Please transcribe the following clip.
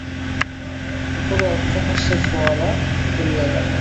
উপরে অট্টহাস্যের ফোয়ারা খুলিয়া গেল।